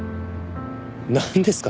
なんですか？